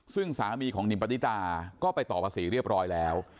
ซึ่งสามีของนิมปฏิตาก็ไปต่อภาษีเรียบร้อยแล้ว